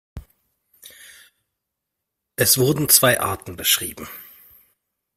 Es wurden zwei Arten beschrieben.